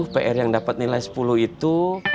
pr yang dapat nilai sepuluh itu